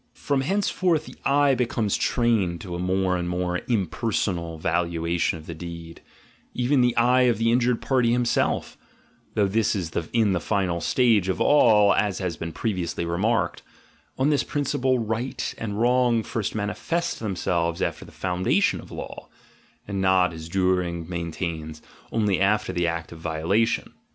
From henceforth the eye be comes trained to a more and more impersonal valuation of the deed, even the eye of the injured party himself (though this is in the final stage of all, as has been pre viously remarked) — on this principle "right" and "wrong" first manifest themselves after the foundation of law (and not, as Duhring maintains, only after the act of violation).